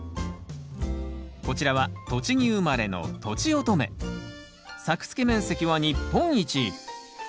こちらは栃木生まれの作付面積は日本一。